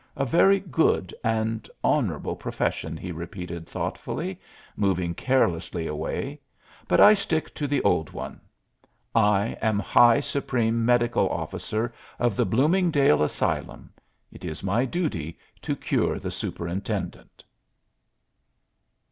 A very good and honorable profession," he repeated, thoughtfully, moving carelessly away; "but I stick to the old one. I am High Supreme Medical Officer of the Bloomingdale Asylum; it is my duty to cure the superintendent."